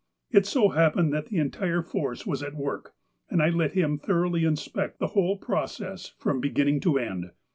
It so happened that the entire force was at work, and I let him thoroughly inspect the whole process from beginning to end.